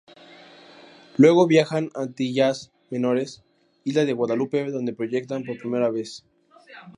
Luego viajan a Antillas Menores, isla de Guadalupe donde proyectan por primera vez.